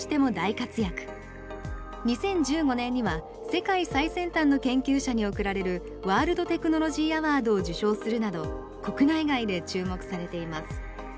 ２０１５年には世界最先端の研究者におくられるワールド・テクノロジー・アワードを受賞するなど国内外で注目されています。